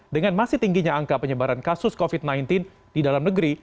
dengan masih tingginya angka penyebaran kasus covid sembilan belas di dalam negeri